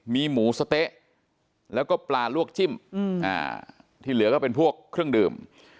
มีหมูสะเต๊ะแล้วก็ปลาลวกจิ้มที่เหลือก็เป็นพวกเครื่องดื่ม